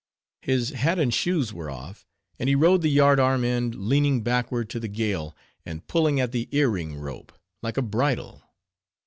His hat and shoes were off; and he rode the yard arm end, leaning backward to the gale, and pulling at the earing rope, like a bridle.